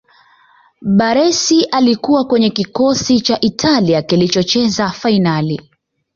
baressi alikuwa kwenye kikosi cha italia kilichocheza fainali